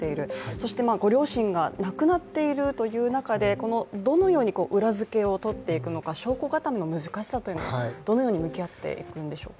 そしてご両親がなくなっているという中で、どのように裏付けをとっていくのか、証拠固めの難しさにどのように向き合っていくのでしょうか？